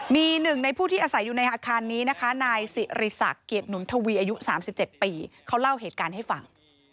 มีหนึ่งในผู้ที่อาศัยอยู่ในอาคารนี้นะคะนายสิริศักดิ์เกียรติหนุนทวีอายุ๓๗ปีเขาเล่าเหตุการณ์ให้ฟัง